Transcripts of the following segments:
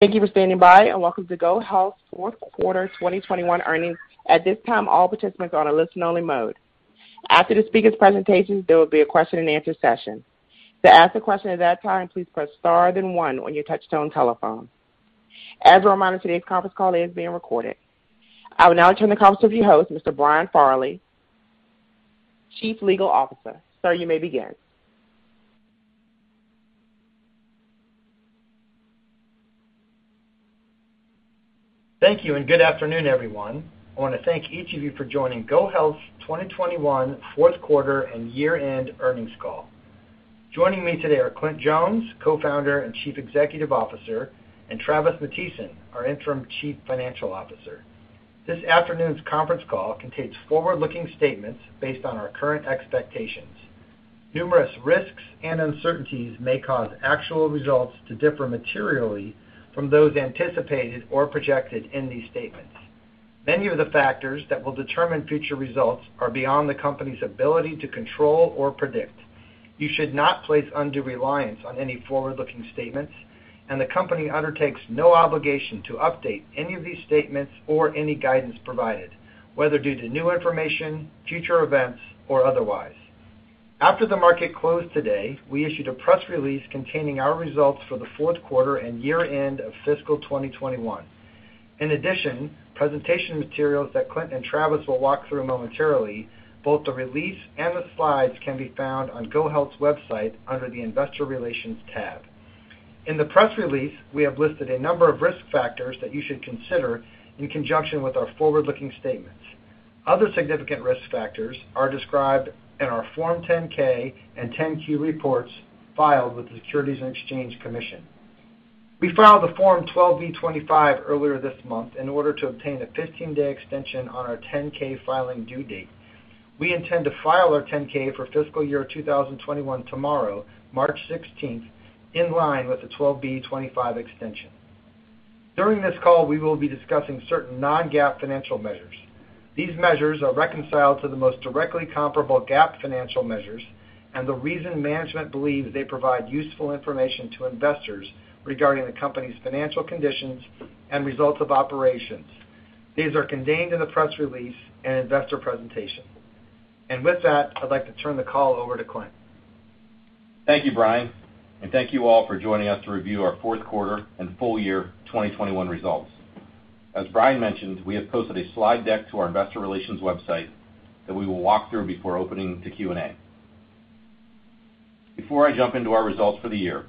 Thank you for standing by and welcome to GoHealth fourth quarter 2021 earnings. At this time, all participants are on a listen only mode. After the speakers presentations, there will be a question-and-answer session. To ask a question at that time, please press star then one on your touchtone telephone. As a reminder, today's conference call is being recorded. I will now turn the conference over to your host, Mr. Brian Farley, Chief Legal Officer. Sir, you may begin. Thank you and good afternoon, everyone. I want to thank each of you for joining GoHealth's 2021 fourth quarter and year-end earnings call. Joining me today are Clint Jones, Co-founder and Chief Executive Officer, and Travis Matthiesen, our interim Chief Financial Officer. This afternoon's conference call contains forward-looking statements based on our current expectations. Numerous risks and uncertainties may cause actual results to differ materially from those anticipated or projected in these statements. Many of the factors that will determine future results are beyond the company's ability to control or predict. You should not place undue reliance on any forward-looking statements, and the company undertakes no obligation to update any of these statements or any guidance provided, whether due to new information, future events, or otherwise. After the market closed today, we issued a press release containing our results for the fourth quarter and year-end of fiscal 2021. In addition, presentation materials that Clint and Travis will walk through momentarily, both the release and the slides can be found on GoHealth's website under the Investor Relations tab. In the press release, we have listed a number of risk factors that you should consider in conjunction with our forward-looking statements. Other significant risk factors are described in our Form 10-K and 10-Q reports filed with the Securities and Exchange Commission. We filed a Form 12b-25 earlier this month in order to obtain a 15-day extension on our 10-K filing due date. We intend to file our 10-K for fiscal year 2021 tomorrow, March 16, in line with the 12b-25 extension. During this call, we will be discussing certain non-GAAP financial measures. These measures are reconciled to the most directly comparable GAAP financial measures and the reason management believes they provide useful information to investors regarding the company's financial conditions and results of operations. These are contained in the press release and investor presentation. With that, I'd like to turn the call over to Clint. Thank you, Brian, and thank you all for joining us to review our fourth quarter and full year 2021 results. As Brian mentioned, we have posted a slide deck to our investor relations website that we will walk through before opening to Q and A. Before I jump into our results for the year,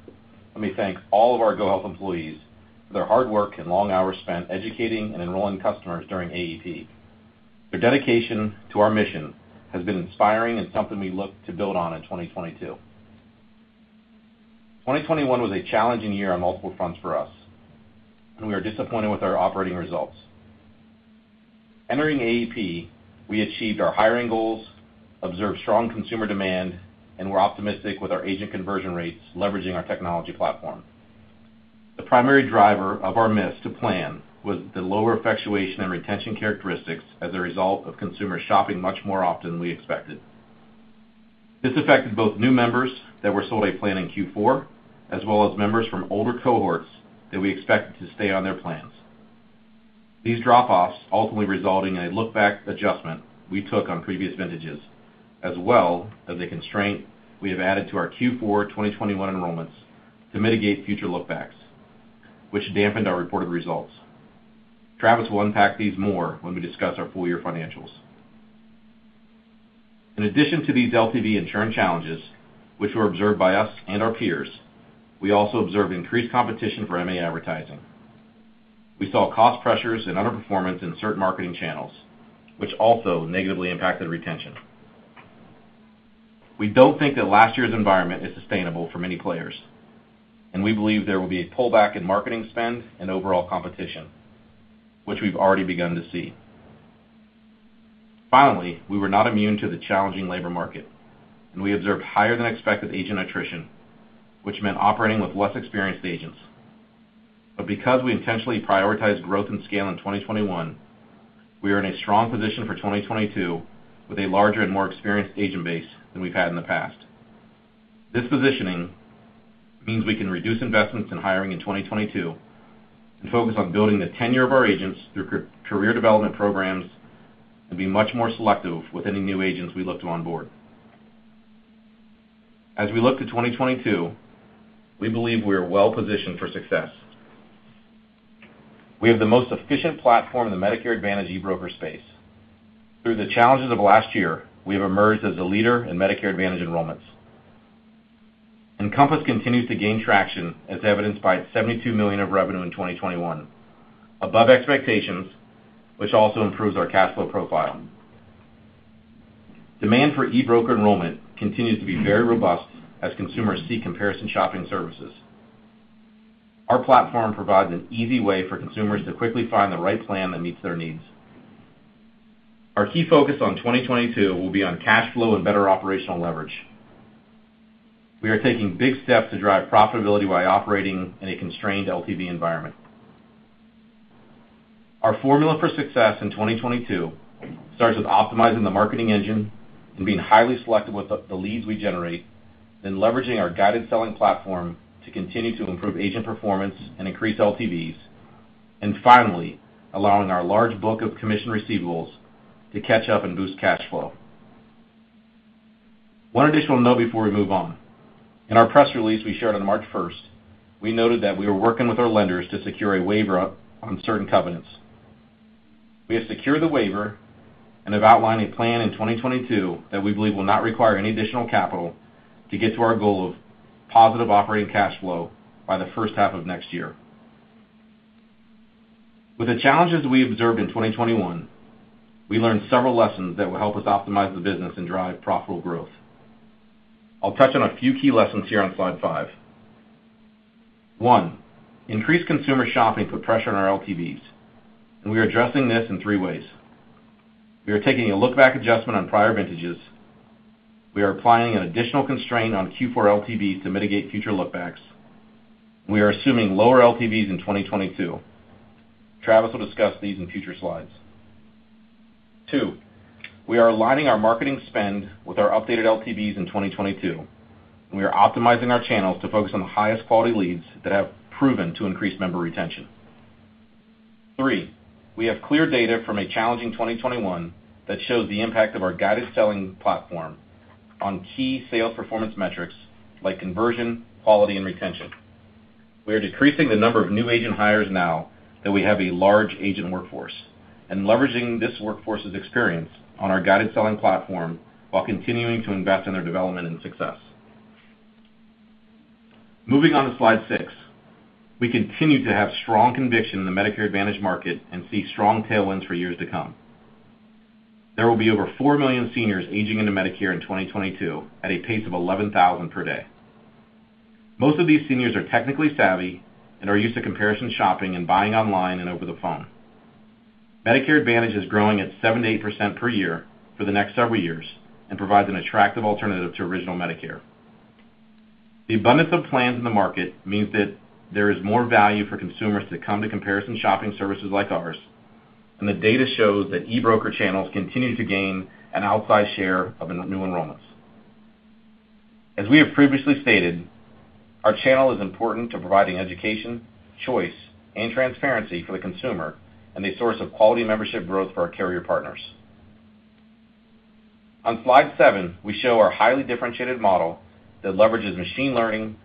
let me thank all of our GoHealth employees for their hard work and long hours spent educating and enrolling customers during AEP. Their dedication to our mission has been inspiring and something we look to build on in 2022. 2021 was a challenging year on multiple fronts for us, and we are disappointed with our operating results. Entering AEP, we achieved our hiring goals, observed strong consumer demand, and were optimistic with our agent conversion rates, leveraging our technology platform. The primary driver of our miss to plan was the lower effectuation and retention characteristics as a result of consumer shopping much more often than we expected. This affected both new members that were sold a plan in Q4, as well as members from older cohorts that we expected to stay on their plans. These drop-offs ultimately resulting in a look-back adjustment we took on previous vintages, as well as a constraint we have added to our Q4 2021 enrollments to mitigate future look-backs, which dampened our reported results. Travis will unpack these more when we discuss our full-year financials. In addition to these LTV and churn challenges, which were observed by us and our peers, we also observed increased competition for MA advertising. We saw cost pressures and underperformance in certain marketing channels, which also negatively impacted retention. We don't think that last year's environment is sustainable for many players, and we believe there will be a pullback in marketing spend and overall competition, which we've already begun to see. Finally, we were not immune to the challenging labor market, and we observed higher than expected agent attrition, which meant operating with less experienced agents. Because we intentionally prioritized growth and scale in 2021, we are in a strong position for 2022 with a larger and more experienced agent base than we've had in the past. This positioning means we can reduce investments in hiring in 2022 and focus on building the tenure of our agents through career development programs and be much more selective with any new agents we look to onboard. As we look to 2022, we believe we are well-positioned for success. We have the most efficient platform in the Medicare Advantage e-broker space. Through the challenges of last year, we have emerged as a leader in Medicare Advantage enrollments. Encompass continues to gain traction as evidenced by its $72 million of revenue in 2021, above expectations, which also improves our cash flow profile. Demand for e-broker enrollment continues to be very robust as consumers seek comparison shopping services. Our platform provides an easy way for consumers to quickly find the right plan that meets their needs. Our key focus on 2022 will be on cash flow and better operational leverage. We are taking big steps to drive profitability while operating in a constrained LTV environment. Our formula for success in 2022 starts with optimizing the marketing engine and being highly selective with the leads we generate, then leveraging our guided selling platform to continue to improve agent performance and increase LTVs, and finally, allowing our large book of commission receivables to catch up and boost cash flow. One additional note before we move on. In our press release we shared on March 1st, we noted that we were working with our lenders to secure a waiver on certain covenants. We have secured the waiver and have outlined a plan in 2022 that we believe will not require any additional capital to get to our goal of positive operating cash flow by the first half of next year. With the challenges we observed in 2021, we learned several lessons that will help us optimize the business and drive profitable growth. I'll touch on a few key lessons here on slide five. One, increased consumer shopping put pressure on our LTVs, and we are addressing this in three ways. We are taking a look-back adjustment on prior vintages. We are applying an additional constraint on Q4 LTV to mitigate future look-backs. We are assuming lower LTVs in 2022. Travis will discuss these in future slides. Two, we are aligning our marketing spend with our updated LTVs in 2022, and we are optimizing our channels to focus on the highest quality leads that have proven to increase member retention. Three, we have clear data from a challenging 2021 that shows the impact of our guided selling platform on key sales performance metrics like conversion, quality, and retention. We are decreasing the number of new agent hires now that we have a large agent workforce and leveraging this workforce's experience on our guided selling platform while continuing to invest in their development and success. Moving on to slide six. We continue to have strong conviction in the Medicare Advantage market and see strong tailwinds for years to come. There will be over four million seniors aging into Medicare in 2022 at a pace of 11,000 per day. Most of these seniors are tech-savvy and are used to comparison shopping and buying online and over the phone. Medicare Advantage is growing at 7%-8% per year for the next several years and provides an attractive alternative to Original Medicare. The abundance of plans in the market means that there is more value for consumers to come to comparison shopping services like ours, and the data shows that e-broker channels continue to gain an outsized share of new enrollments. As we have previously stated, our channel is important to providing education, choice, and transparency for the consumer and a source of quality membership growth for our carrier partners. On slide seven, we show our highly differentiated model that leverages machine learning,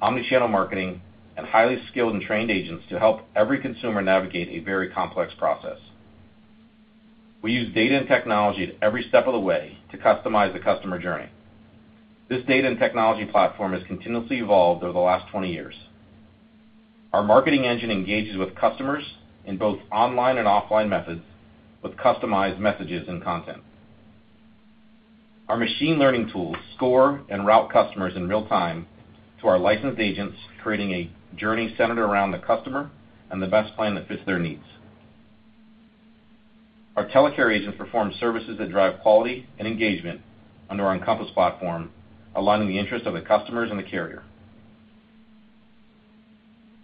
omni-channel marketing, and highly skilled and trained agents to help every consumer navigate a very complex process. We use data and technology at every step of the way to customize the customer journey. This data and technology platform has continuously evolved over the last 20 years. Our marketing engine engages with customers in both online and offline methods with customized messages and content. Our machine learning tools score and route customers in real time to our licensed agents, creating a journey centered around the customer and the best plan that fits their needs. Our telecare agents perform services that drive quality and engagement under our Encompass platform, aligning the interests of the customers and the carrier.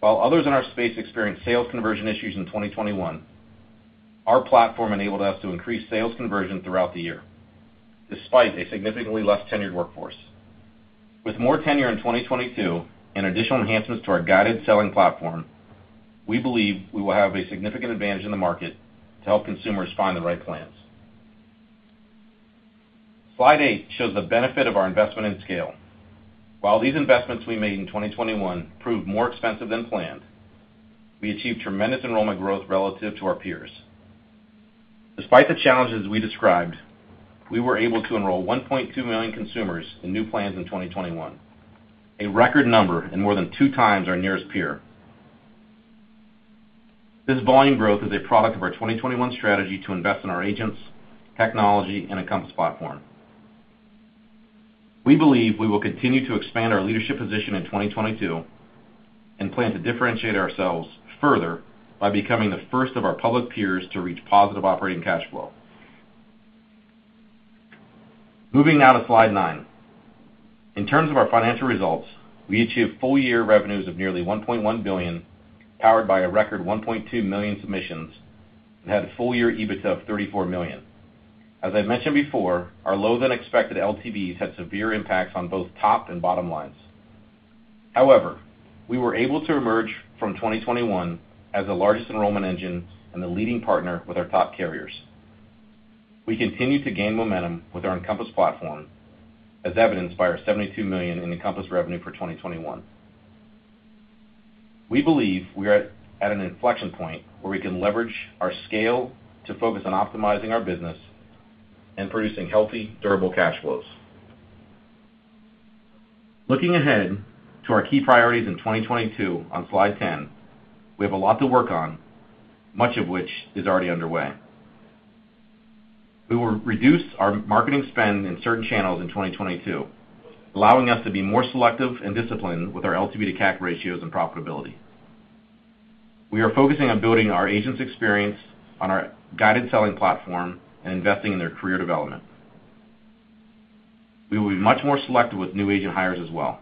While others in our space experienced sales conversion issues in 2021, our platform enabled us to increase sales conversion throughout the year, despite a significantly less tenured workforce. With more tenure in 2022 and additional enhancements to our guided selling platform, we believe we will have a significant advantage in the market to help consumers find the right plans. Slide eight shows the benefit of our investment and scale. While these investments we made in 2021 proved more expensive than planned, we achieved tremendous enrollment growth relative to our peers. Despite the challenges we described, we were able to enroll 1.2 million consumers in new plans in 2021, a record number and more than 2 times our nearest peer. This volume growth is a product of our 2021 strategy to invest in our agents, technology, and Encompass platform. We believe we will continue to expand our leadership position in 2022 and plan to differentiate ourselves further by becoming the first of our public peers to reach positive operating cash flow. Moving now to slide nine. In terms of our financial results, we achieved full year revenues of nearly $1.1 billion, powered by a record 1.2 million submissions, and had a full year EBITDA of $34 million. As I mentioned before, our lower than expected LTVs had severe impacts on both top and bottom lines. However, we were able to emerge from 2021 as the largest enrollment engine and the leading partner with our top carriers. We continue to gain momentum with our Encompass platform, as evidenced by our $72 million in Encompass revenue for 2021. We believe we are at an inflection point where we can leverage our scale to focus on optimizing our business and producing healthy, durable cash flows. Looking ahead to our key priorities in 2022 on slide 10, we have a lot to work on, much of which is already underway. We will reduce our marketing spend in certain channels in 2022, allowing us to be more selective and disciplined with our LTV to CAC ratios and profitability. We are focusing on building our agents' experience on our guided selling platform and investing in their career development. We will be much more selective with new agent hires as well.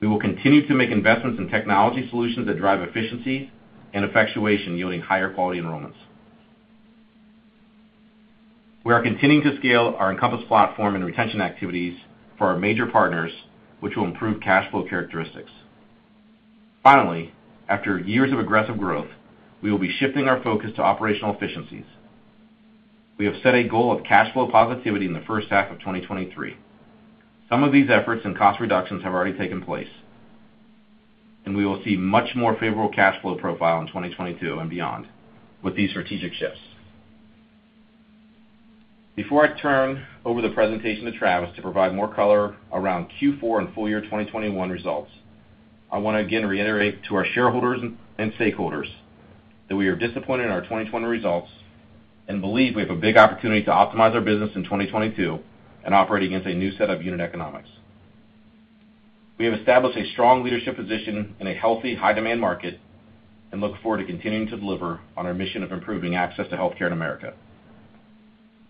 We will continue to make investments in technology solutions that drive efficiency and effectuation yielding higher quality enrollments. We are continuing to scale our Encompass platform and retention activities for our major partners, which will improve cash flow characteristics. Finally, after years of aggressive growth, we will be shifting our focus to operational efficiencies. We have set a goal of cash flow positivity in the first half of 2023. Some of these efforts and cost reductions have already taken place, and we will see much more favorable cash flow profile in 2022 and beyond with these strategic shifts. Before I turn over the presentation to Travis to provide more color around Q4 and full year 2021 results, I wanna again reiterate to our shareholders and stakeholders that we are disappointed in our 2020 results and believe we have a big opportunity to optimize our business in 2022 and operate against a new set of unit economics. We have established a strong leadership position in a healthy high demand market and look forward to continuing to deliver on our mission of improving access to healthcare in America.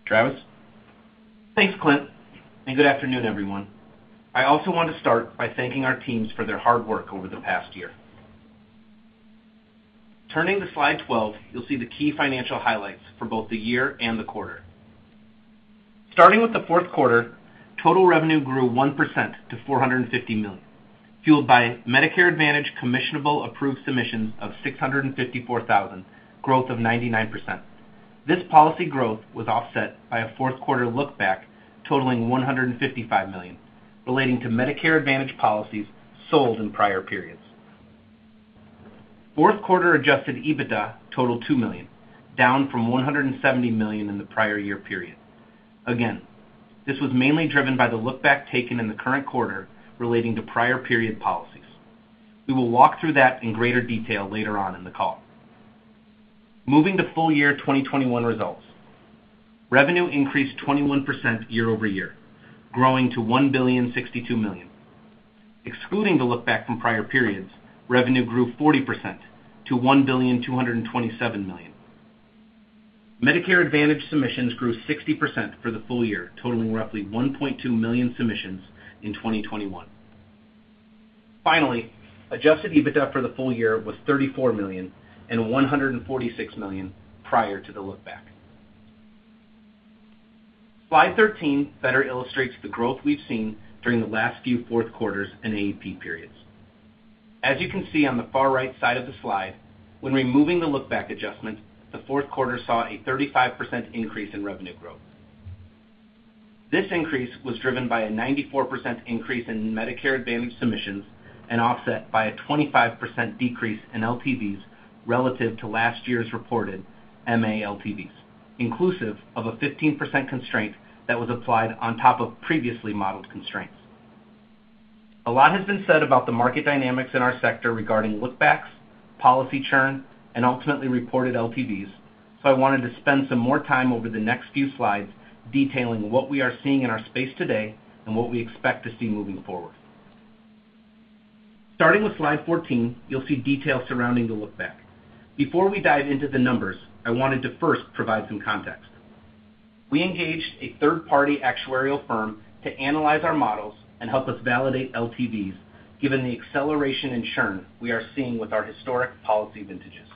Travis. Thanks, Clint, and good afternoon, everyone. I also want to start by thanking our teams for their hard work over the past year. Turning to slide 12, you'll see the key financial highlights for both the year and the quarter. Starting with the fourth quarter, total revenue grew 1% to $450 million, fueled by Medicare Advantage commissionable approved submissions of 654,000, growth of 99%. This policy growth was offset by a fourth quarter look back totaling $155 million relating to Medicare Advantage policies sold in prior periods. Fourth quarter Adjusted EBITDA totaled $2 million, down from $170 million in the prior year period. Again, this was mainly driven by the look-back taken in the current quarter relating to prior period policies. We will walk through that in greater detail later on in the call. Moving to full year 2021 results. Revenue increased 21% year-over-year, growing to $1,062 million. Excluding the look back from prior periods, revenue grew 40% to $1,227 million. Medicare Advantage submissions grew 60% for the full year, totaling roughly 1.2 million submissions in 2021. Finally, Adjusted EBITDA for the full year was $34 million and $146 million prior to the look back. Slide 13 better illustrates the growth we've seen during the last few fourth quarters and AEP periods. As you can see on the far right side of the slide, when removing the look back adjustment, the fourth quarter saw a 35% increase in revenue growth. This increase was driven by a 94% increase in Medicare Advantage submissions and offset by a 25% decrease in LTVs relative to last year's reported MA LTVs, inclusive of a 15% constraint that was applied on top of previously modeled constraints. A lot has been said about the market dynamics in our sector regarding look backs, policy churn, and ultimately reported LTVs, so I wanted to spend some more time over the next few slides detailing what we are seeing in our space today and what we expect to see moving forward. Starting with slide 14, you'll see details surrounding the look back. Before we dive into the numbers, I wanted to first provide some context. We engaged a third-party actuarial firm to analyze our models and help us validate LTVs given the acceleration in churn we are seeing with our historic policy vintages.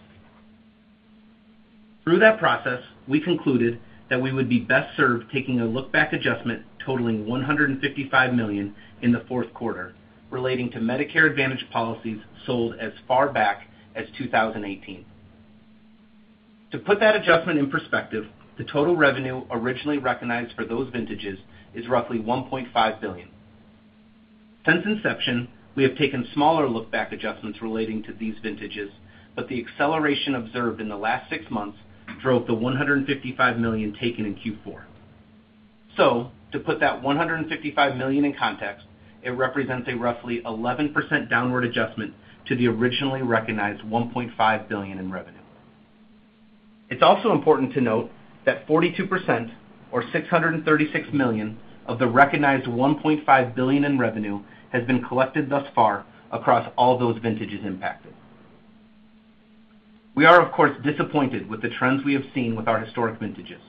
Through that process, we concluded that we would be best served taking a look back adjustment totaling $155 million in the fourth quarter relating to Medicare Advantage policies sold as far back as 2018. To put that adjustment in perspective, the total revenue originally recognized for those vintages is roughly $1.5 billion. Since inception, we have taken smaller look back adjustments relating to these vintages, but the acceleration observed in the last six months drove the $155 million taken in Q4. To put that $155 million in context, it represents a roughly 11% downward adjustment to the originally recognized $1.5 billion in revenue. It's also important to note that 42% or $636 million of the recognized $1.5 billion in revenue has been collected thus far across all those vintages impacted. We are, of course, disappointed with the trends we have seen with our historic vintages,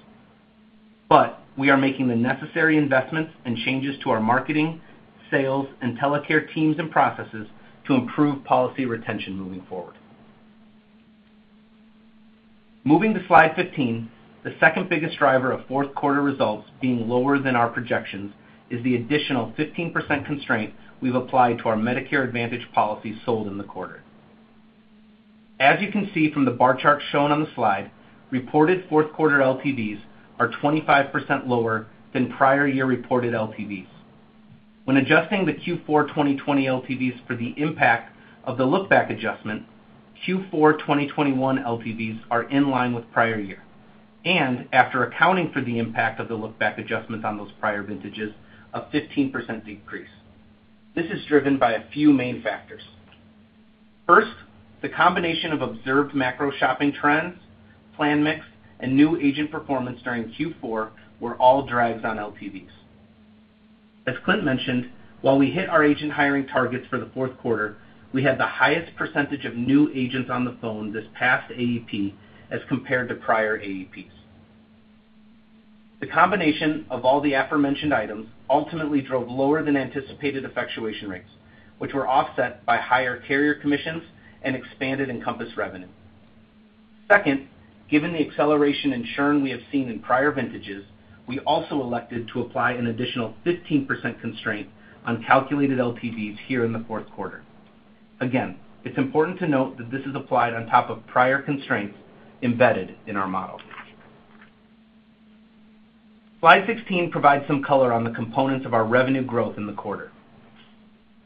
but we are making the necessary investments and changes to our marketing, sales, and telecare teams and processes to improve policy retention moving forward. Moving to slide 15, the second biggest driver of fourth quarter results being lower than our projections is the additional 15% constraint we've applied to our Medicare Advantage policies sold in the quarter. As you can see from the bar chart shown on the slide, reported fourth quarter LTVs are 25% lower than prior year reported LTVs. When adjusting the Q4 2020 LTVs for the impact of the look back adjustment, Q4 2021 LTVs are in line with prior year. After accounting for the impact of the look back adjustments on those prior vintages, a 15% decrease. This is driven by a few main factors. First, the combination of observed macro shopping trends, plan mix, and new agent performance during Q4 were all drags on LTVs. As Clint mentioned, while we hit our agent hiring targets for the fourth quarter, we had the highest percentage of new agents on the phone this past AEP as compared to prior AEPs. The combination of all the aforementioned items ultimately drove lower than anticipated effectuation rates, which were offset by higher carrier commissions and expanded Encompass revenue. Second, given the acceleration in churn we have seen in prior vintages, we also elected to apply an additional 15% constraint on calculated LTVs here in the fourth quarter. Again, it's important to note that this is applied on top of prior constraints embedded in our model. Slide 16 provides some color on the components of our revenue growth in the quarter.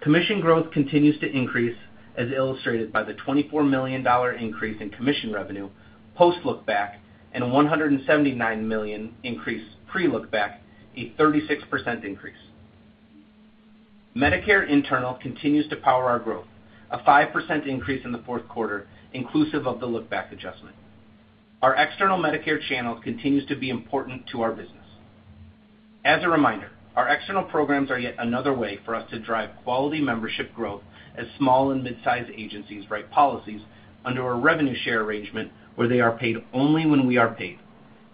Commission growth continues to increase, as illustrated by the $24 million increase in commission revenue post-look-back, and $179 million increase pre-look-back, a 36% increase. Medicare internal continues to power our growth, a 5% increase in the fourth quarter, inclusive of the look-back adjustment. Our external Medicare channel continues to be important to our business. As a reminder, our external programs are yet another way for us to drive quality membership growth as small and mid-sized agencies write policies under a revenue share arrangement where they are paid only when we are paid.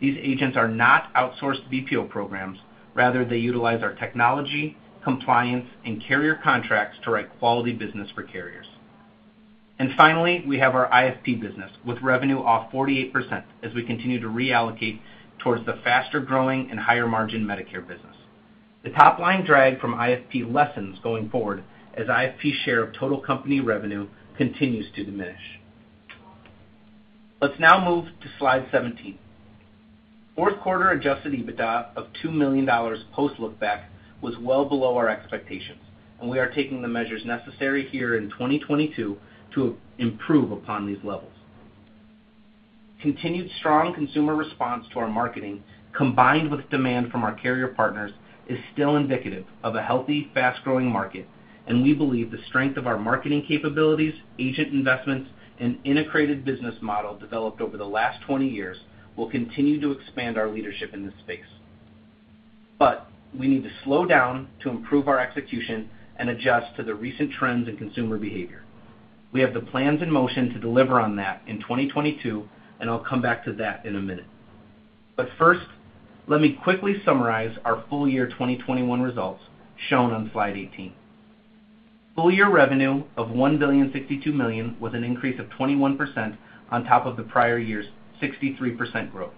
These agents are not outsourced BPO programs. Rather, they utilize our technology, compliance, and carrier contracts to write quality business for carriers. Finally, we have our IFP business, with revenue off 48% as we continue to reallocate towards the faster-growing and higher-margin Medicare business. The top-line drag from IFP lessens going forward as IFP share of total company revenue continues to diminish. Let's now move to slide 17. Fourth quarter Adjusted EBITDA of $2 million post-look-back was well below our expectations, and we are taking the measures necessary here in 2022 to improve upon these levels. Continued strong consumer response to our marketing, combined with demand from our carrier partners, is still indicative of a healthy, fast-growing market, and we believe the strength of our marketing capabilities, agent investments, and integrated business model developed over the last 20 years will continue to expand our leadership in this space. We need to slow down to improve our execution and adjust to the recent trends in consumer behavior. We have the plans in motion to deliver on that in 2022, and I'll come back to that in a minute. First, let me quickly summarize our full year 2021 results shown on slide 18. Full year revenue of $1,062 million, with an increase of 21% on top of the prior year's 63% growth.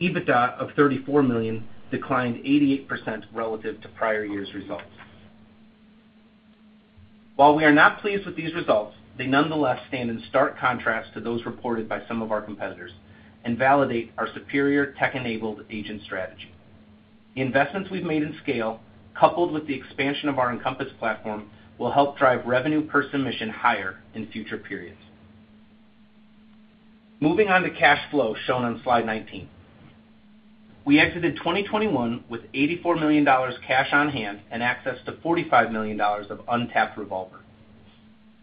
EBITDA of $34 million declined 88% relative to prior year's results. While we are not pleased with these results, they nonetheless stand in stark contrast to those reported by some of our competitors and validate our superior tech-enabled agent strategy. The investments we've made in scale, coupled with the expansion of our Encompass platform, will help drive revenue per submission higher in future periods. Moving on to cash flow, shown on slide 19. We exited 2021 with $84 million cash on hand and access to $45 million of untapped revolver.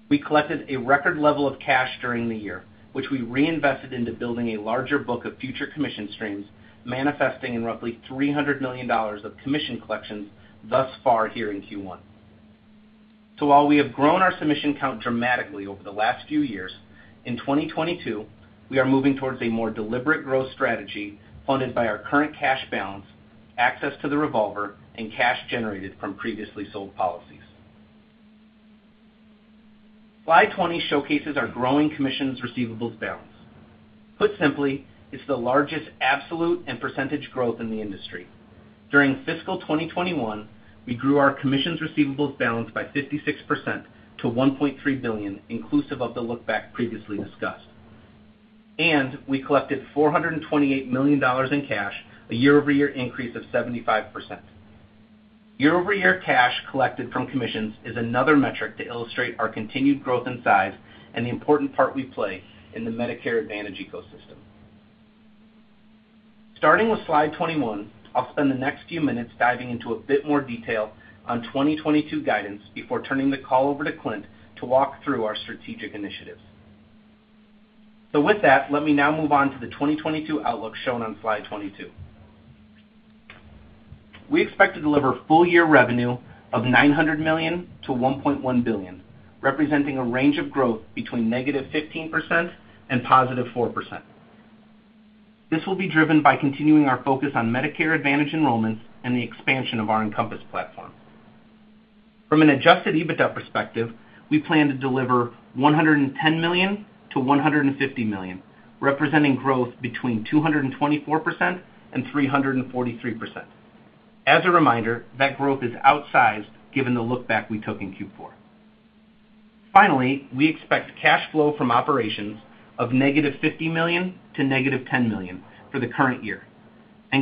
We collected a record level of cash during the year, which we reinvested into building a larger book of future commission streams, manifesting in roughly $300 million of commission collections thus far here in Q1. While we have grown our submission count dramatically over the last few years, in 2022, we are moving towards a more deliberate growth strategy funded by our current cash balance, access to the revolver, and cash generated from previously sold policies. Slide 20 showcases our growing commissions receivables balance. Put simply, it's the largest absolute and percentage growth in the industry. During fiscal 2021, we grew our commissions receivables balance by 56% to $1.3 billion, inclusive of the look-back previously discussed. We collected $428 million in cash, a year-over-year increase of 75%. Year-over-year cash collected from commissions is another metric to illustrate our continued growth and size and the important part we play in the Medicare Advantage ecosystem. Starting with slide 21, I'll spend the next few minutes diving into a bit more detail on 2022 guidance before turning the call over to Clint to walk through our strategic initiatives. With that, let me now move on to the 2022 outlook shown on slide 22. We expect to deliver full-year revenue of $900 million-$1.1 billion, representing a range of growth between -15% and +4%. This will be driven by continuing our focus on Medicare Advantage enrollments and the expansion of our Encompass platform. From an Adjusted EBITDA perspective, we plan to deliver $110 million-$150 million, representing growth between 224% and 343%. As a reminder, that growth is outsized given the look-back we took in Q4. Finally, we expect cash flow from operations of -$50 million to -$10 million for the current year,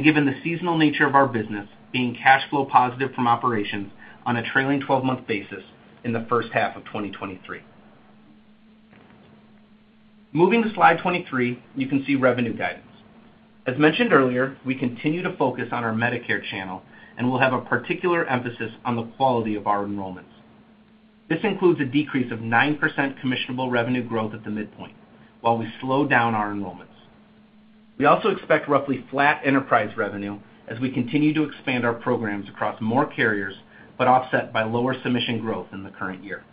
given the seasonal nature of our business, being cash flow positive from operations on a trailing 12 month basis in the first half of 2023. Moving to slide 23, you can see revenue guidance. As mentioned earlier, we continue to focus on our Medicare channel and will have a particular emphasis on the quality of our enrollments. This includes a decrease of 9% commissionable revenue growth at the midpoint while we slow down our enrollments. We also expect roughly flat enterprise revenue as we continue to expand our programs across more carriers, but offset by lower submission growth in the current year.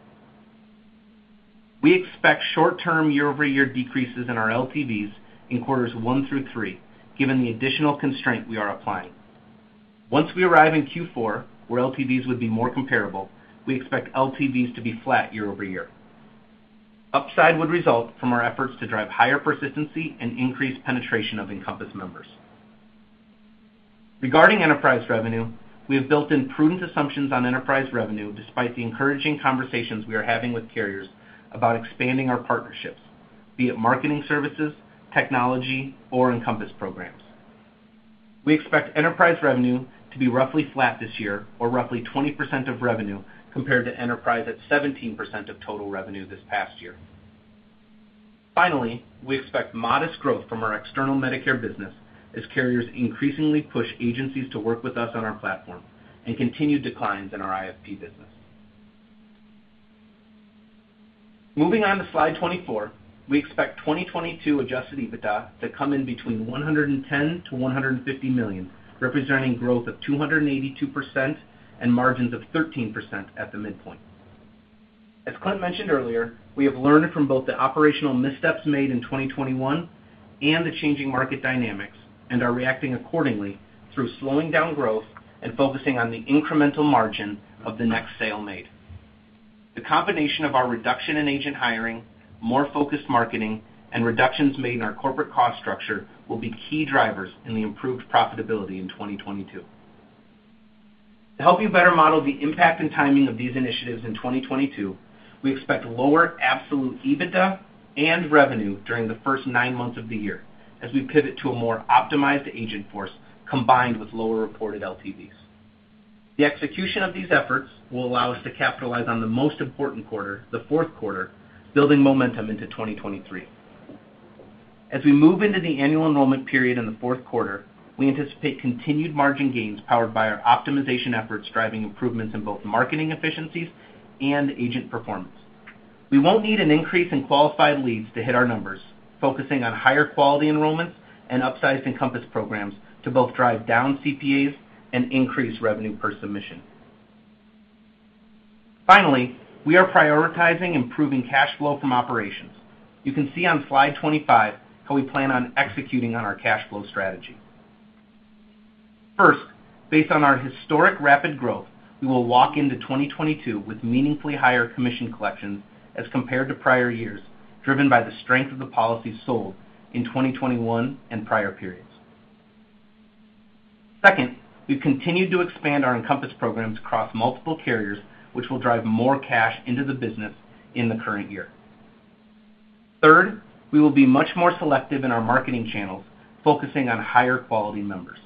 We expect short-term year-over-year decreases in our LTVs in quarters one through three, given the additional constraint we are applying. Once we arrive in Q4, where LTVs would be more comparable, we expect LTVs to be flat year-over-year. Upside would result from our efforts to drive higher persistency and increase penetration of Encompass members. Regarding enterprise revenue, we have built in prudent assumptions on enterprise revenue despite the encouraging conversations we are having with carriers about expanding our partnerships, be it marketing services, technology, or Encompass programs. We expect enterprise revenue to be roughly flat this year or roughly 20% of revenue compared to enterprise at 17% of total revenue this past year. Finally, we expect modest growth from our external Medicare business as carriers increasingly push agencies to work with us on our platform and continued declines in our IFP business. Moving on to slide 24, we expect 2022 Adjusted EBITDA to come in between $110 million-$150 million, representing growth of 282% and margins of 13% at the midpoint. As Clint mentioned earlier, we have learned from both the operational missteps made in 2021 and the changing market dynamics and are reacting accordingly through slowing down growth and focusing on the incremental margin of the next sale made. The combination of our reduction in agent hiring, more focused marketing, and reductions made in our corporate cost structure will be key drivers in the improved profitability in 2022. To help you better model the impact and timing of these initiatives in 2022, we expect lower absolute EBITDA and revenue during the first nine months of the year as we pivot to a more optimized agent force combined with lower reported LTVs. The execution of these efforts will allow us to capitalize on the most important quarter, the fourth quarter, building momentum into 2023. As we move into the annual enrollment period in the fourth quarter, we anticipate continued margin gains powered by our optimization efforts, driving improvements in both marketing efficiencies and agent performance. We won't need an increase in qualified leads to hit our numbers, focusing on higher quality enrollments and upsized Encompass programs to both drive down CPAs and increase revenue per submission. Finally, we are prioritizing improving cash flow from operations. You can see on slide 25 how we plan on executing on our cash flow strategy. First, based on our historic rapid growth, we will walk into 2022 with meaningfully higher commission collections as compared to prior years, driven by the strength of the policies sold in 2021 and prior periods. Second, we've continued to expand our Encompass programs across multiple carriers, which will drive more cash into the business in the current year. Third, we will be much more selective in our marketing channels, focusing on higher quality members.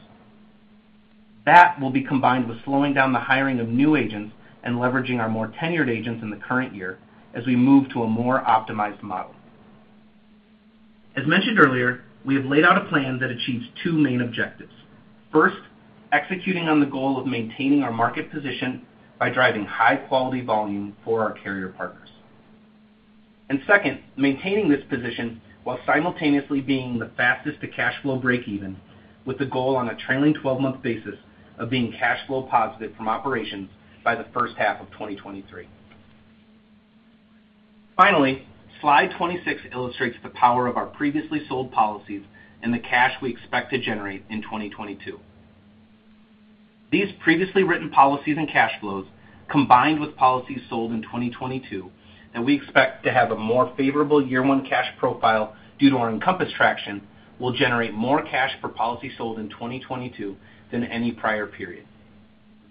That will be combined with slowing down the hiring of new agents and leveraging our more tenured agents in the current year as we move to a more optimized model. As mentioned earlier, we have laid out a plan that achieves two main objectives. First, executing on the goal of maintaining our market position by driving high quality volume for our carrier partners. Second, maintaining this position while simultaneously being the fastest to cash flow break even, with the goal on a trailing 12-month basis of being cash flow positive from operations by the first half of 2023. Finally, slide 26 illustrates the power of our previously sold policies and the cash we expect to generate in 2022. These previously written policies and cash flows, combined with policies sold in 2022, and we expect to have a more favorable year-one cash profile due to our Encompass traction, will generate more cash per policy sold in 2022 than any prior period.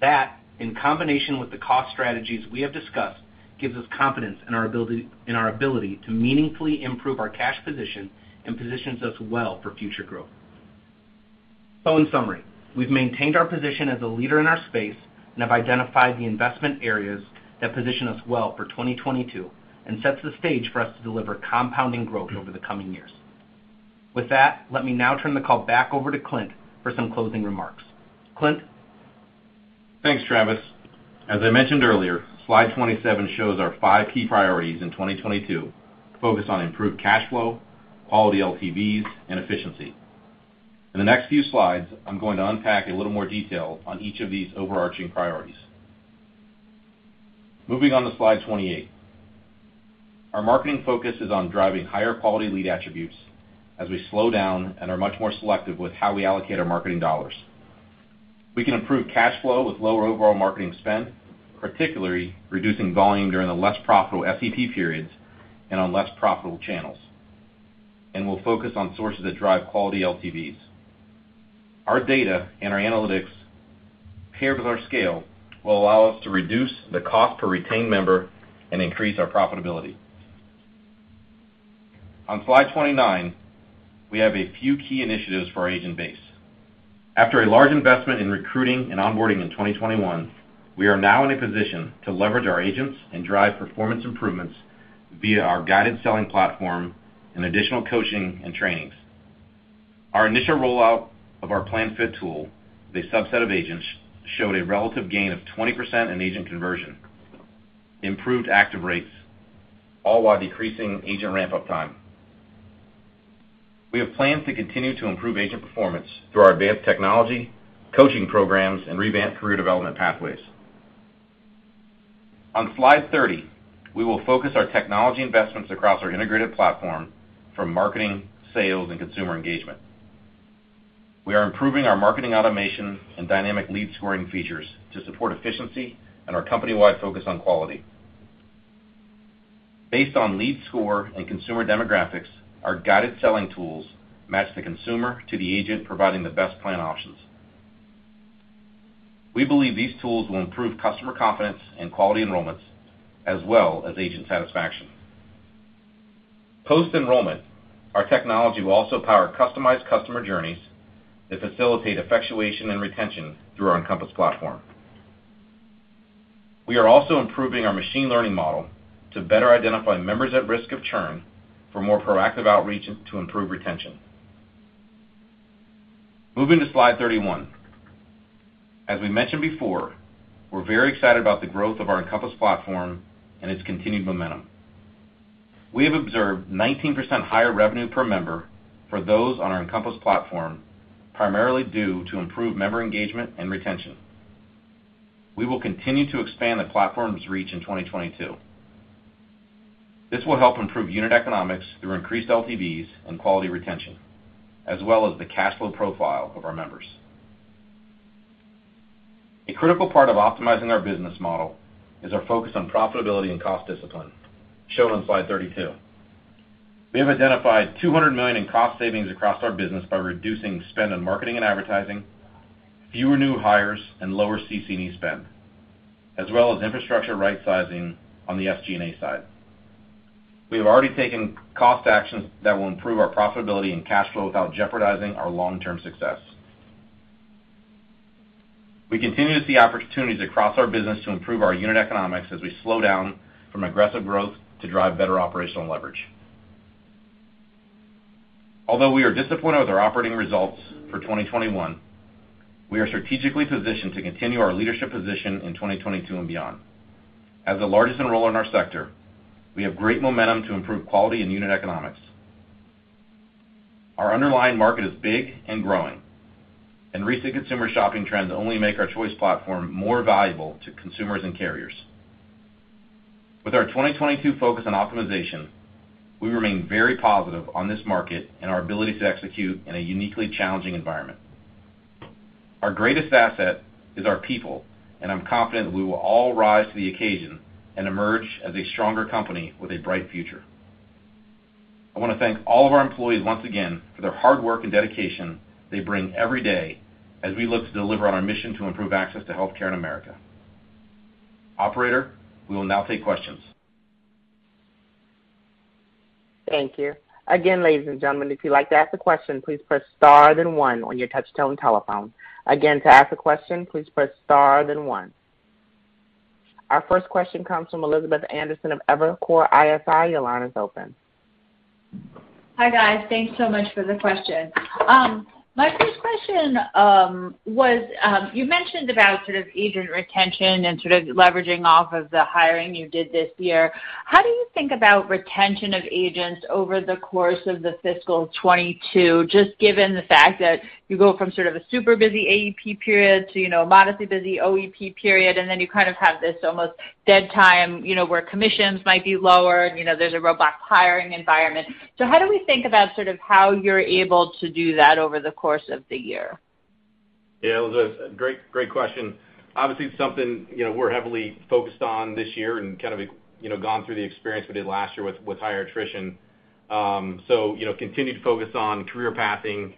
That, in combination with the cost strategies we have discussed, gives us confidence in our ability to meaningfully improve our cash position and positions us well for future growth. In summary, we've maintained our position as a leader in our space and have identified the investment areas that position us well for 2022 and sets the stage for us to deliver compounding growth over the coming years. With that, let me now turn the call back over to Clint for some closing remarks. Clint? Thanks, Travis. As I mentioned earlier, slide 27 shows our five key priorities in 2022 to focus on improved cash flow, quality LTVs, and efficiency. In the next few slides, I'm going to unpack a little more detail on each of these overarching priorities. Moving on to slide 28. Our marketing focus is on driving higher quality lead attributes as we slow down and are much more selective with how we allocate our marketing dollars. We can improve cash flow with lower overall marketing spend, particularly reducing volume during the less profitable SEP periods and on less profitable channels. We'll focus on sources that drive quality LTVs. Our data and our analytics paired with our scale will allow us to reduce the cost per retained member and increase our profitability. On slide 29, we have a few key initiatives for our agent base. After a large investment in recruiting and onboarding in 2021, we are now in a position to leverage our agents and drive performance improvements via our guided selling platform and additional coaching and trainings. Our initial rollout of our PlanFit tool with a subset of agents showed a relative gain of 20% in agent conversion, improved active rates, all while decreasing agent ramp-up time. We have plans to continue to improve agent performance through our advanced technology, coaching programs, and revamped career development pathways. On Slide 30, we will focus our technology investments across our integrated platform for marketing, sales, and consumer engagement. We are improving our marketing automation and dynamic lead scoring features to support efficiency and our company-wide focus on quality. Based on lead score and consumer demographics, our guided selling tools match the consumer to the agent providing the best plan options. We believe these tools will improve customer confidence and quality enrollments as well as agent satisfaction. Post-enrollment, our technology will also power customized customer journeys that facilitate effectuation and retention through our Encompass platform. We are also improving our machine learning model to better identify members at risk of churn for more proactive outreach and to improve retention. Moving to Slide 31. As we mentioned before, we're very excited about the growth of our Encompass platform and its continued momentum. We have observed 19% higher revenue per member for those on our Encompass platform, primarily due to improved member engagement and retention. We will continue to expand the platform's reach in 2022. This will help improve unit economics through increased LTVs and quality retention, as well as the cash flow profile of our members. A critical part of optimizing our business model is our focus on profitability and cost discipline, shown on Slide 32. We have identified $200 million in cost savings across our business by reducing spend on marketing and advertising, fewer new hires, and lower CC&E spend, as well as infrastructure rightsizing on the SG&A side. We have already taken cost actions that will improve our profitability and cash flow without jeopardizing our long-term success. We continue to see opportunities across our business to improve our unit economics as we slow down from aggressive growth to drive better operational leverage. Although we are disappointed with our operating results for 2021, we are strategically positioned to continue our leadership position in 2022 and beyond. As the largest enroller in our sector, we have great momentum to improve quality in unit economics. Our underlying market is big and growing, and recent consumer shopping trends only make our choice platform more valuable to consumers and carriers. With our 2022 focus on optimization, we remain very positive on this market and our ability to execute in a uniquely challenging environment. Our greatest asset is our people, and I'm confident we will all rise to the occasion and emerge as a stronger company with a bright future. I wanna thank all of our employees once again for their hard work and dedication they bring every day as we look to deliver on our mission to improve access to healthcare in America. Operator, we will now take questions. Thank you. Again, ladies and gentlemen, if you'd like to ask a question, please press star then one on your touchtone telephone. Again, to ask a question, please press star then one. Our first question comes from Elizabeth Anderson of Evercore ISI. Your line is open. Hi, guys. Thanks so much for the question. My first question was, you mentioned about sort of agent retention and sort of leveraging off of the hiring you did this year. How do you think about retention of agents over the course of the fiscal 2022, just given the fact that you go from sort of a super busy AEP period to, you know, a modestly busy OEP period, and then you kind of have this almost dead time, you know, where commissions might be lower and, you know, there's a robust hiring environment. How do we think about sort of how you're able to do that over the course of the year? Yeah, it was a great question. Obviously, it's something, you know, we're heavily focused on this year and kind of, you know, gone through the experience we did last year with higher attrition. You know, continue to focus on career pathing,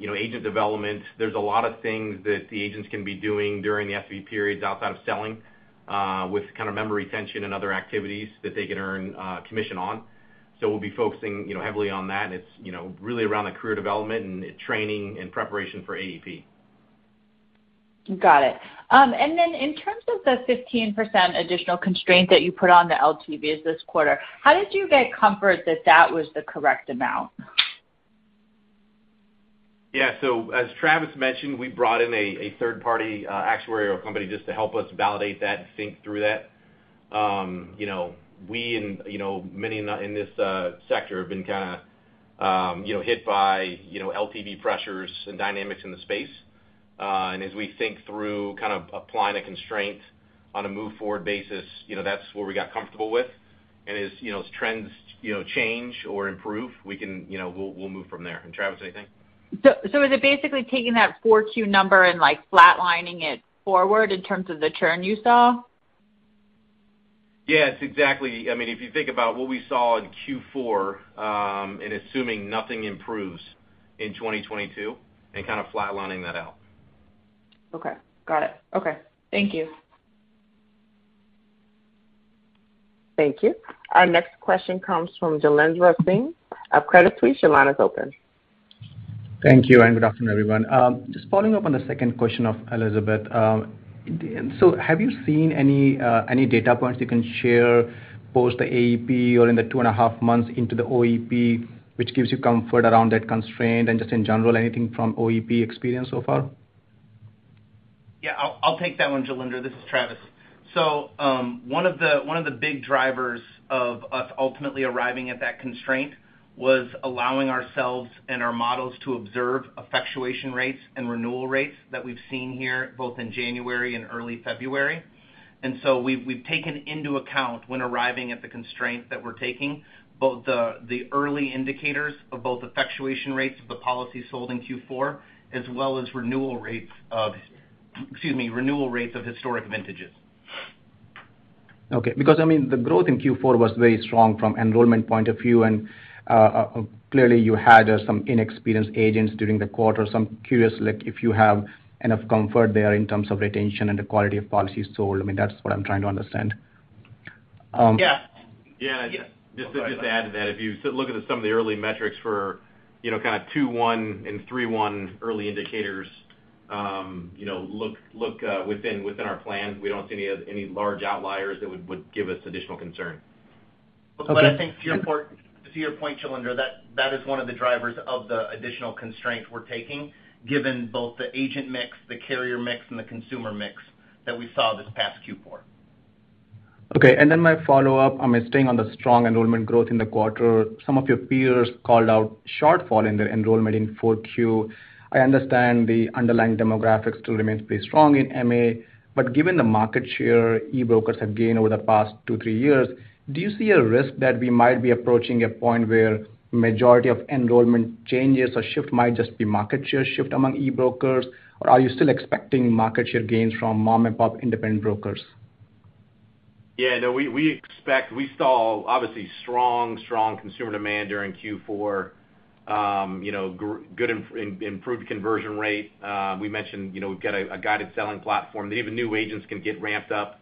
you know, agent development. There's a lot of things that the agents can be doing during the SEP periods outside of selling, with kind of member retention and other activities that they can earn commission on. We'll be focusing, you know, heavily on that, and it's, you know, really around the career development and training in preparation for AEP. Got it. In terms of the 15% additional constraint that you put on the LTVs this quarter, how did you get comfort that that was the correct amount? Yeah. As Travis mentioned, we brought in a third-party actuary or company just to help us validate that and think through that. You know, we and you know many in this sector have been kind of hit by you know LTV pressures and dynamics in the space. As we think through kind of applying a constraint on a moving forward basis, you know, that's where we got comfortable with. As you know, as trends you know change or improve, we can you know we'll move from there. Travis, anything? Is it basically taking that 4Q number and, like, flatlining it forward in terms of the churn you saw? Yes, exactly. I mean, if you think about what we saw in Q4, and assuming nothing improves in 2022 and kinda flatlining that out. Okay. Got it. Okay. Thank you. Thank you. Our next question comes from Jailendra Singh of Credit Suisse. Your line is open. Thank you, and good afternoon, everyone. Just following up on the second question of Elizabeth. Have you seen any data points you can share post the AEP or in the 2.5 months into the OEP, which gives you comfort around that constraint? Just in general, anything from OEP experience so far? Yeah, I'll take that one, Jailendra. This is Travis. One of the big drivers of us ultimately arriving at that constraint was allowing ourselves and our models to observe effectuation rates and renewal rates that we've seen here both in January and early February. We've taken into account when arriving at the constraint that we're taking both the early indicators of both effectuation rates of the policy sold in Q4 as well as, excuse me, renewal rates of historic vintages. Okay. Because, I mean, the growth in Q4 was very strong from enrollment point of view, and, clearly you had some inexperienced agents during the quarter. I'm curious, like if you have enough comfort there in terms of retention and the quality of policies sold. I mean, that's what I'm trying to understand. Yeah. Yeah. Just to add to that, if you look at some of the early metrics for, you know, kind of 21 and 31 early indicators, you know, look within our plans, we don't see any large outliers that would give us additional concern. Okay. I think to your point, Jailendra, that is one of the drivers of the additional constraint we're taking, given both the agent mix, the carrier mix, and the consumer mix that we saw this past Q4. Okay. My follow-up, I'm staying on the strong enrollment growth in the quarter. Some of your peers called out shortfall in the enrollment in 4Q. I understand the underlying demographics still remains pretty strong in MA, but given the market share e-brokers have gained over the past two to three years, do you see a risk that we might be approaching a point where majority of enrollment changes or shift might just be market share shift among e-brokers? Or are you still expecting market share gains from mom-and-pop independent brokers? No, we saw obviously strong consumer demand during Q4. Good improved conversion rate. We mentioned we've got a guided selling platform that even new agents can get ramped up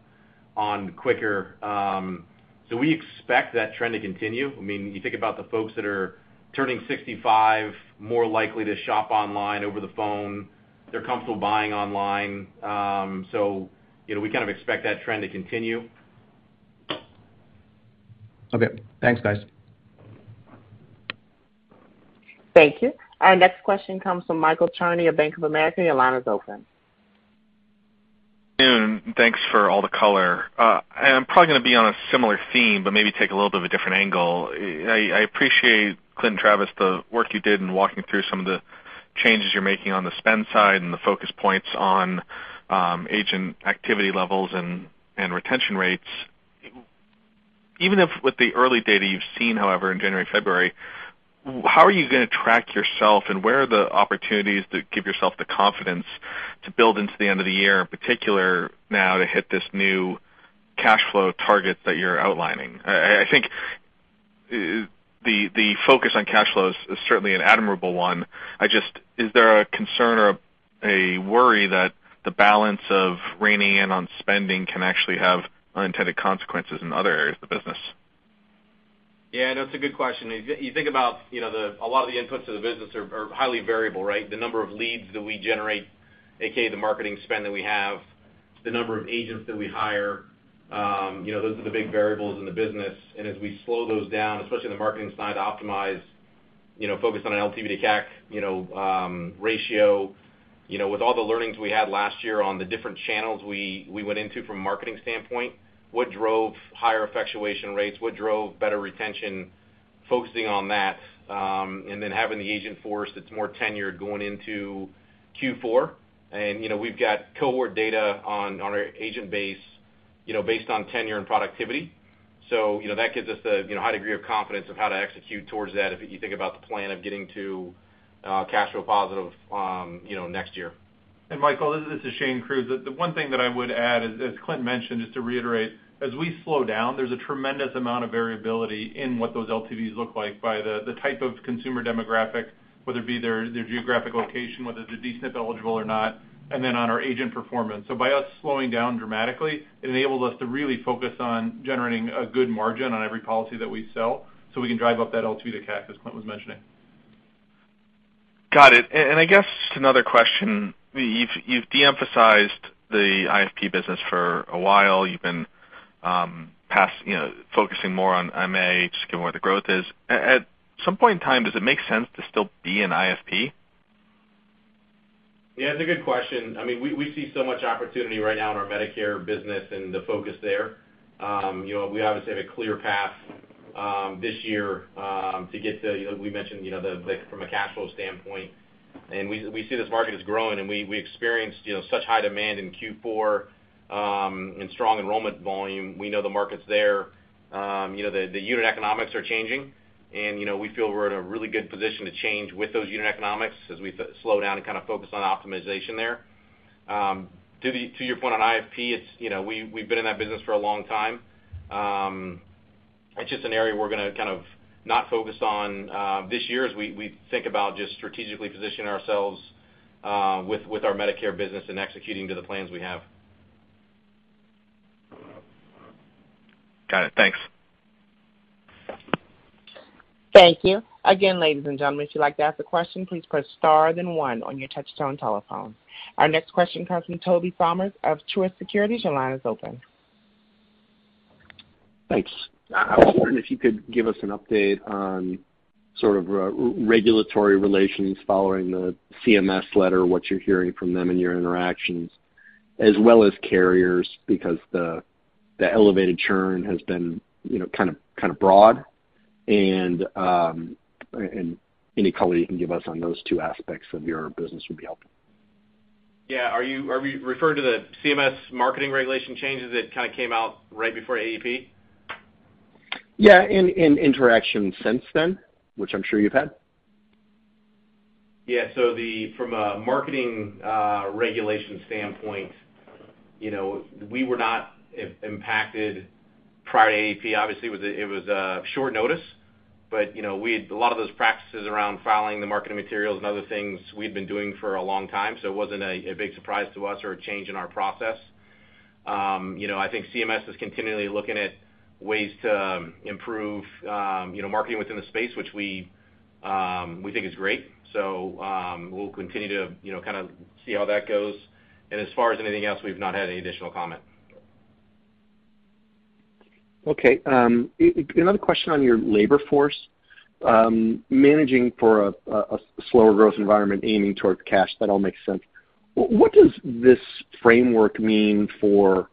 on quicker. We expect that trend to continue. I mean, you think about the folks that are turning 65, more likely to shop online, over the phone, they're comfortable buying online. We kind of expect that trend to continue. Okay. Thanks, guys. Thank you. Our next question comes from Michael Cherny of Bank of America. Your line is open. Good afternoon, and thanks for all the color. I'm probably gonna be on a similar theme, but maybe take a little bit of a different angle. I appreciate, Clint and Travis, the work you did in walking through some of the changes you're making on the spend side and the focus points on agent activity levels and retention rates. Even if with the early data you've seen, however, in January, February, how are you gonna track yourself and where are the opportunities to give yourself the confidence to build into the end of the year, in particular now to hit this new cash flow target that you're outlining? I think the focus on cash flows is certainly an admirable one. Is there a concern or a worry that the balance of reining in on spending can actually have unintended consequences in other areas of the business? Yeah, that's a good question. You think about, you know, the a lot of the inputs to the business are highly variable, right? The number of leads that we generate, AKA the marketing spend that we have, the number of agents that we hire, you know, those are the big variables in the business. As we slow those down, especially on the marketing side, optimize, you know, focus on LTV to CAC, you know, ratio. You know, with all the learnings we had last year on the different channels we went into from a marketing standpoint, what drove higher effectuation rates, what drove better retention, focusing on that, and then having the agent force that's more tenured going into Q4. You know, we've got cohort data on our agent base, you know, based on tenure and productivity. You know, that gives us a you know, high degree of confidence of how to execute towards that, if you think about the plan of getting to cash flow positive, you know, next year. Michael, this is Shane Cruz. The one thing that I would add, as Clint mentioned, just to reiterate, as we slow down, there's a tremendous amount of variability in what those LTVs look like by the type of consumer demographic, whether it be their geographic location, whether they're DSNP eligible or not, and then on our agent performance. By us slowing down dramatically, it enables us to really focus on generating a good margin on every policy that we sell, so we can drive up that LTV to CAC as Clint was mentioning. Got it. I guess just another question. You've de-emphasized the IFP business for a while. You've been you know, focusing more on MA, just given where the growth is. At some point in time, does it make sense to still be in IFP? Yeah, it's a good question. I mean, we see so much opportunity right now in our Medicare business and the focus there. You know, we obviously have a clear path this year to get to, you know, we mentioned, you know, the from a cash flow standpoint, and we see this market is growing and we experienced, you know, such high demand in Q4 and strong enrollment volume. We know the market's there. You know, the unit economics are changing and, you know, we feel we're in a really good position to change with those unit economics as we slow down and kind of focus on optimization there. To your point on IFP, it's, you know, we've been in that business for a long time. It's just an area we're gonna kind of not focus on this year as we think about just strategically positioning ourselves with our Medicare business and executing to the plans we have. Got it. Thanks. Thank you. Again, ladies and gentlemen, if you'd like to ask a question, please press star then one on your touchtone telephone. Our next question comes from Tobey Sommer of Truist Securities. Your line is open. Thanks. I was wondering if you could give us an update on sort of regulatory relations following the CMS letter, what you're hearing from them in your interactions, as well as carriers, because the elevated churn has been, you know, kind of broad, and any color you can give us on those two aspects of your business would be helpful. Yeah. Are you referring to the CMS marketing regulation changes that kind of came out right before AEP? Yeah. Interactions since then, which I'm sure you've had. Yeah. From a marketing regulation standpoint, you know, we were not impacted prior to AEP. Obviously, it was a short notice, but, you know, we had a lot of those practices around filing the marketing materials and other things we've been doing for a long time, so it wasn't a big surprise to us or a change in our process. You know, I think CMS is continually looking at ways to improve, you know, marketing within the space, which we think is great. We'll continue to, you know, kind of see how that goes. As far as anything else, we've not had any additional comment. Okay. Another question on your labor force. Managing for a slower growth environment aiming toward cash, that all makes sense. What does this framework mean for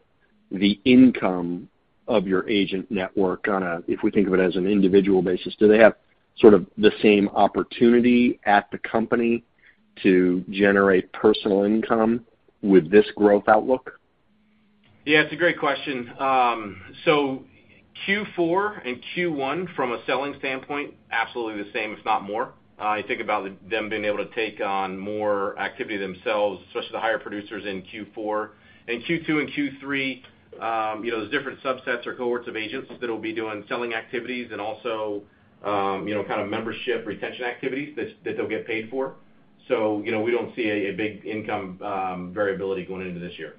the income of your agent network on a, if we think of it as an individual basis? Do they have sort of the same opportunity at the company to generate personal income with this growth outlook? Yeah, it's a great question. So Q4 and Q1 from a selling standpoint, absolutely the same, if not more. I think about them being able to take on more activity themselves, especially the higher producers in Q4. In Q2 and Q3, you know, there's different subsets or cohorts of agents that'll be doing selling activities and also, you know, kind of membership retention activities that they'll get paid for. So, you know, we don't see a big income variability going into this year.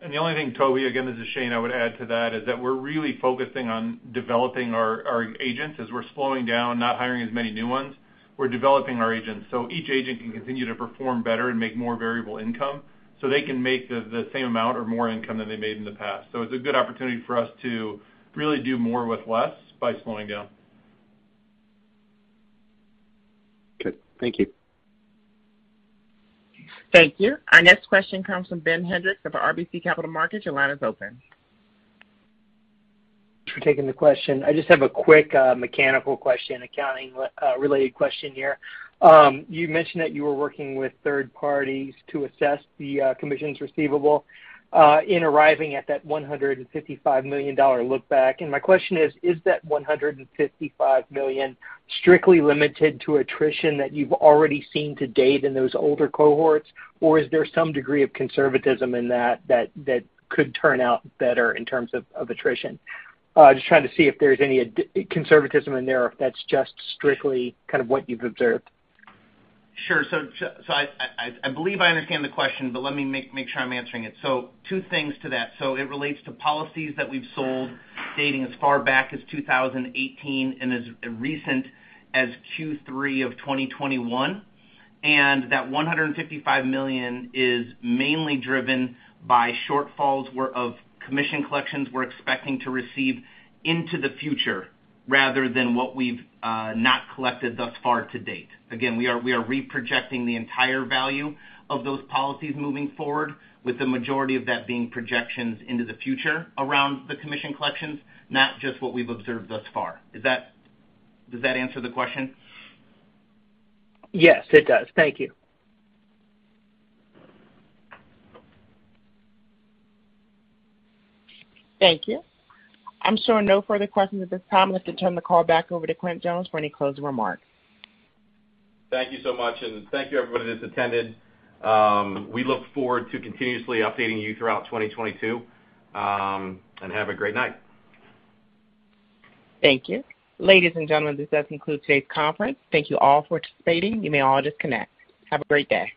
The only thing, Tobey, again, this is Shane, I would add to that is that we're really focusing on developing our agents. As we're slowing down, not hiring as many new ones, we're developing our agents. Each agent can continue to perform better and make more variable income, so they can make the same amount or more income than they made in the past. It's a good opportunity for us to really do more with less by slowing down. Good. Thank you. Thank you. Our next question comes from Ben Hendrix of RBC Capital Markets. Your line is open. Thanks for taking the question. I just have a quick, mechanical question, accounting related question here. You mentioned that you were working with third parties to assess the commissions receivable in arriving at that $155 million look back. My question is that $155 million strictly limited to attrition that you've already seen to date in those older cohorts, or is there some degree of conservatism in that that could turn out better in terms of attrition? Just trying to see if there's any conservatism in there, or if that's just strictly kind of what you've observed. Sure. I believe I understand the question, but let me make sure I'm answering it. Two things to that. It relates to policies that we've sold dating as far back as 2018 and as recent as Q3 of 2021. That $155 million is mainly driven by shortfalls of commission collections we're expecting to receive into the future rather than what we've not collected thus far to date. Again, we are reprojecting the entire value of those policies moving forward with the majority of that being projections into the future around the commission collections, not just what we've observed thus far. Is that. Does that answer the question? Yes, it does. Thank you. Thank you. I'm showing no further questions at this time. Let me turn the call back over to Clint Jones for any closing remarks. Thank you so much, and thank you everybody that's attended. We look forward to continuously updating you throughout 2022, and have a great night. Thank you. Ladies and gentlemen, this does conclude today's conference. Thank you all for participating. You may all disconnect. Have a great day.